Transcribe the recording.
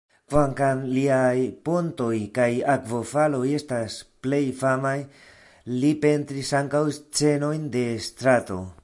Kvankam liaj pontoj kaj akvofaloj estas plej famaj, li pentris ankaŭ scenojn de strato.